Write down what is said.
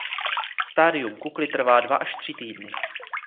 Stadium kukly trvá dva až tři týdny.